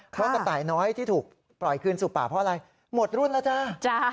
เพราะกระต่ายน้อยที่ถูกปล่อยคืนสู่ป่าเพราะอะไรหมดรุ่นแล้วจ้า